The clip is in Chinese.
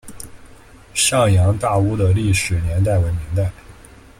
上洋大屋的历史年代为明代。